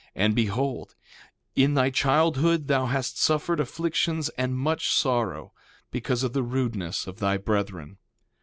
And behold, in thy childhood thou hast suffered afflictions and much sorrow, because of the rudeness of thy brethren.